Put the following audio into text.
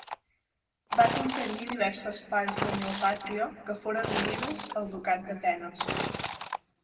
Va conquerir diverses parts de Neopàtria que foren unides al ducat d'Atenes.